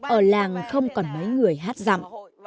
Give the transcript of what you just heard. ở làng không còn mấy người hát dạm